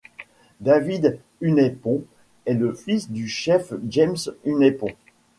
David Unaipon est le fils du chef James Unaipon.